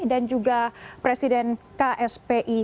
dan juga presiden kspi